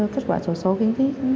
kết quả sổ số kiến thiết